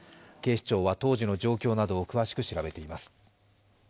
警視庁は当時の状況などを詳しく調べています。